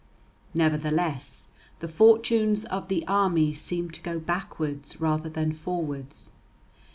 Nevertheless, the fortunes of the army seemed to go backwards rather than forwards.